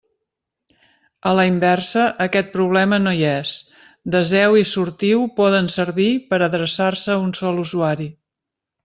A la inversa aquest problema no hi és: deseu i sortiu poden servir per a adreçar-se a un sol usuari.